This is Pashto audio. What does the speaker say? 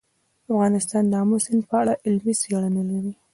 افغانستان د آمو سیند په اړه علمي څېړنې لري.